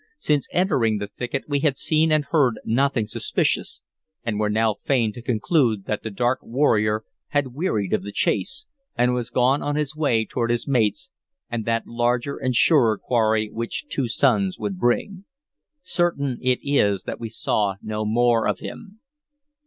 Since entering the thicket we had seen and heard nothing suspicious, and were now fain to conclude that the dark warrior had wearied of the chase, and was gone on his way toward his mates and that larger and surer quarry which two suns would bring. Certain it is that we saw no more of him.